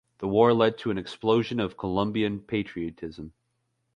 The war led to an explosion of Colombian patriotism.